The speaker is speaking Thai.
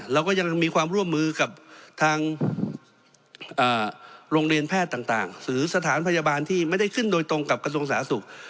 เราก็ยังมีความร่วมมือกับทางโรงเรียนแพทย์ต่างหรือสถานพยาบาลที่ไม่ได้ขึ้นโดยตรงกับกระทรวงสาธารณสุข